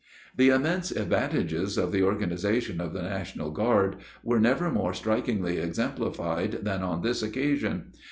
The immense advantages of the organization of the National Guard, were never more strikingly exemplified than on this occasion.